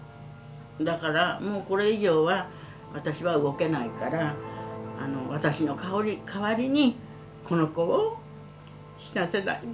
だからもうこれ以上は私は動けないから私の代わりにこの子を死なせないで」